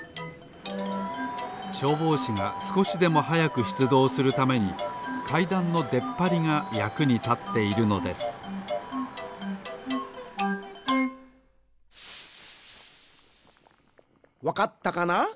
しょうぼうしがすこしでもはやくしゅつどうするためにかいだんのでっぱりがやくにたっているのですわかったかな？